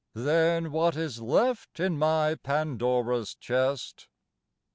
Then what is left in my Pandora's chest?